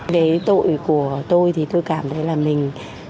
về tội của tôi thì tôi cảm thấy là mình